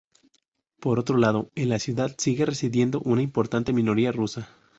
Por otro lado, en la ciudad sigue residiendo una importante minoría rusa.